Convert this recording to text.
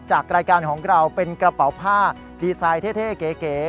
จากรายการของเราเป็นกระเป๋าผ้าดีไซน์เท่เก๋